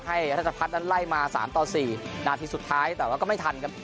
ให้รัชพัฒน์นั้นไล่มา๓ต่อ๔นาทีสุดท้ายแต่ว่าก็ไม่ทันครับ